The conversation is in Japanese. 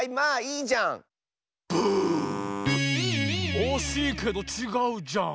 おしいけどちがうじゃん！